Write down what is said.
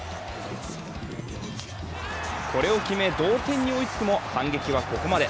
これを決め同点に追いつくも反撃はここまで。